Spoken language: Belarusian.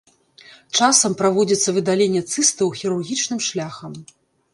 Часам праводзіцца выдаленне цыстаў хірургічным шляхам.